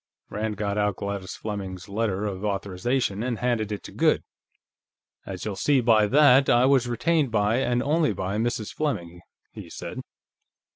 Rand got out Gladys Fleming's letter of authorization and handed it to Goode. "As you'll see by that, I was retained by, and only by, Mrs. Fleming," he said.